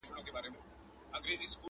پر تندیو به د پېغلو اوربل خپور وي،